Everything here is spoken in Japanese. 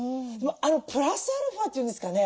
あのプラスアルファというんですかね。